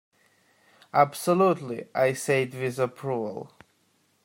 "Absolutely," I said with approval.